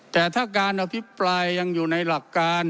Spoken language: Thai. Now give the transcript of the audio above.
แต่ถ้าการอภิปรายยังอยู่ในหลักการ